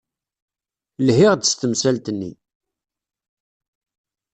Lhiɣ-d s temsalt-nni.